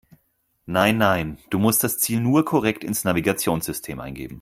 Nein, nein, du musst das Ziel nur korrekt ins Navigationssystem eingeben.